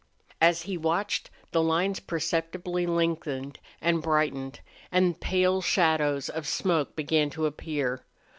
As he watched the lines perceptibly lengthened and brightened and pale shadows of smoke began to appear.